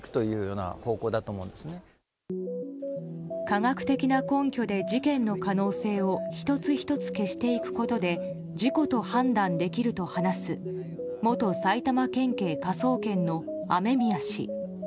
科学的な根拠で事件の可能性を１つ１つ消していくことで事故と判断できると話す元埼玉県警科捜研の雨宮氏。